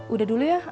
udah dulu ya